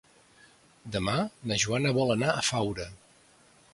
Demà na Joana vol anar a Faura.